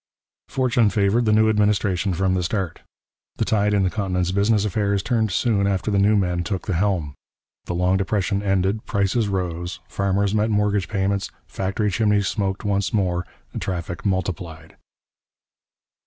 Fortune favoured the new administration from the start. The tide in the continent's business affairs turned soon after the new men took the helm. The long depression ended, prices rose, farmers met mortgage payments, factory chimneys smoked once more, traffic multiplied.